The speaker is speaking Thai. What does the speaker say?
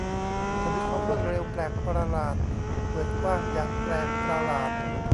เธอมีความรวดเร็วแปลกประหลาดเปิดกว้างอย่างแปลกประหลาด